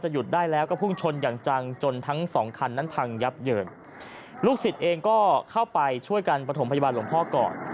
หยุดได้แล้วก็พุ่งชนอย่างจังจนทั้งสองคันนั้นพังยับเยินลูกศิษย์เองก็เข้าไปช่วยกันประถมพยาบาลหลวงพ่อก่อน